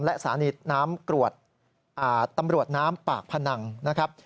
และสารณีตำรวจน้ำปากผนังนะครับ